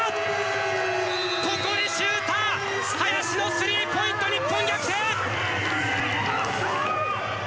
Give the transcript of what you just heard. ここでシューター、林のスリーポイント、日本逆転！